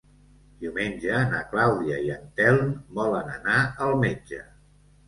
Diumenge na Clàudia i en Telm volen anar al metge.